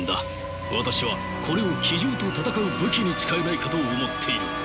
私はこれを奇獣と戦う武器に使えないかと思っている。